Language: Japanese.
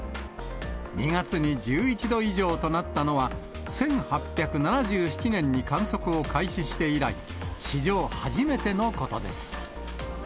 ２月に１１度以上となったのは１８７７年に観測を開始して以来、史上初めてのことです。